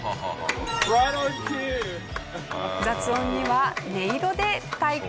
雑音には音色で対抗。